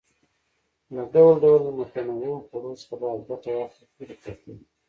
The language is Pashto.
له ډول ډول متنوعو خوړو څخه باید ګټه واخیستل شي په پښتو کې.